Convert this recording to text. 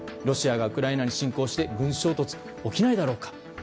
ロシアがウクライナに進行して軍事衝突、起きないだろうか。